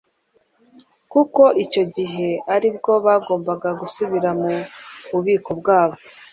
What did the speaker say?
kuko icyo gihe ari bwo bagomba gusubira mu bubiko bwabo